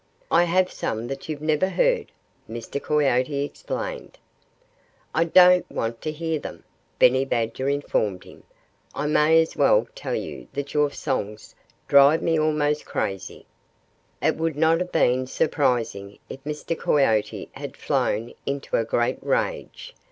"I have some that you've never heard," Mr. Coyote explained. "I don't want to hear them," Benny Badger informed him. "I may as well tell you that your songs drive me almost crazy." It would not have been surprising if Mr. Coyote had flown into a great rage.